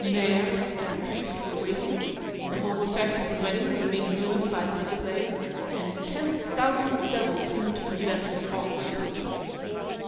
Maire and priest were waiting, the whole effect of the wedding was being ruined by this delay, and 'ten thousand devils' seemed to possess the awkward coachman.